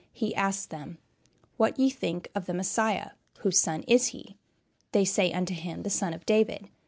He asks them: "What think ye of the Messiah? whose son is he? They say unto him, the Son of David.